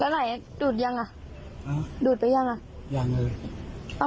ไหนดูดยังอ่ะดูดไปยังอ่ะยังเลยเอา